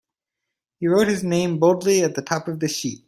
He wrote his name boldly at the top of the sheet.